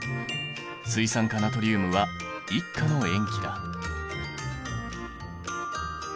水酸化ナトリウムは１価の塩基だ。